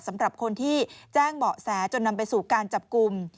สำหรับคนที่แจ้งเบาะแสจนนำไปสู่การจับกลุ่ม